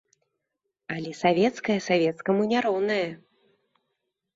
Але савецкае савецкаму не роўнае.